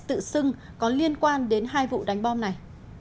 tự xưng có liên quan đến hai vụ đánh bom này